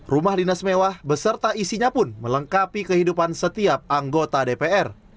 rumah dinas mewah beserta isinya pun melengkapi kehidupan setiap anggota dpr